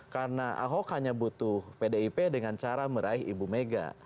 karena ahok hanya butuh pdip dengan cara meraih ibu mega